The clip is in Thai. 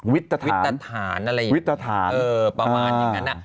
วิตถาฐานวิตถาฐานอะไรอย่างนี้ประมาณอย่างนั้น